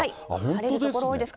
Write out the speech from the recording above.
晴れる所多いです。